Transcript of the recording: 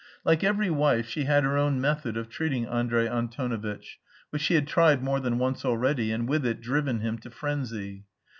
Like every wife she had her own method of treating Andrey Antonovitch, which she had tried more than once already and with it driven him to frenzy.